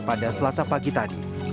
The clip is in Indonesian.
pada selasa pagi tadi